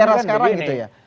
era sekarang gitu ya